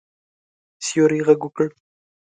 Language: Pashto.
سیوري غږ وکړ.